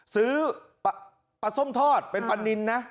ซื้อปลาส้มทอดเป็นปลานินนะ